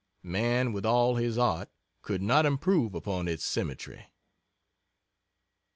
Man, with all his art, could not improve upon its symmetry."